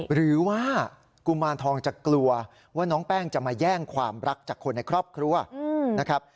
หรือว่ากุมารทองจะกลัวว่าน้องแป้งจะมาแย่งความรักจากคนในครอบครัวนะครับ